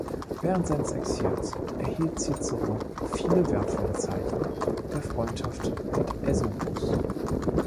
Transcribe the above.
Während seines Exils erhielt Cicero viele wertvolle Zeichen der Freundschaft mit Äsopus.